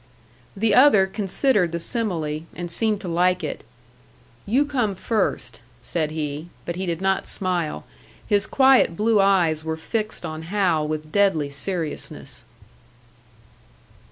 The other considered the simile, and seemed to like it. "You come first," said he. But he did not smile. His quiet blue eyes were fixed on Hal with deadly seriousness.